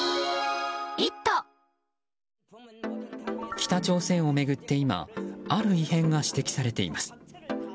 北朝鮮を巡って今、ある異変が指摘されています。